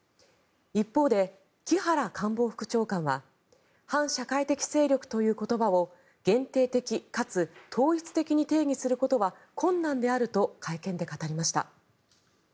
一方で木原官房副長官は反社会的勢力という言葉を限定的かつ統一的に定義することは困難であると会見で語りました。